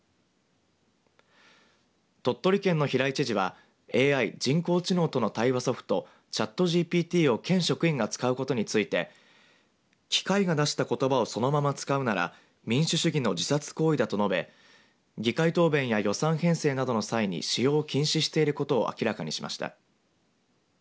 鳥取県の平井知事はＡＩ、人工知能との対話ソフトＣｈａｔＧＰＴを県職員が使うことについて機械が出したことばをそのまま使うなら民主主義の自殺行為だと述べ議会答弁や予算編成などの際に使用を禁止していることを明らかにしました。